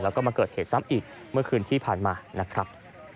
แล้วก็มาเกิดเหตุซ้ำอีกเมื่อคืนที่ผ่านมานะครับ